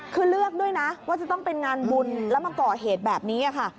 คือเลือกด้วยนะว่าจะต้องเป็นงานบุญแล้วมาก่อเหตุแบบนี้ค่ะ